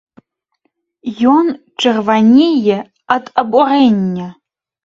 Ён чырванее ад абурэння.